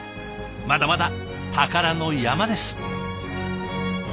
まだまだ宝の山です。